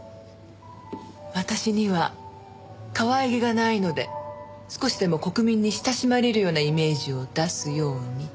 私にはかわいげがないので少しでも国民に親しまれるようなイメージを出すようにと。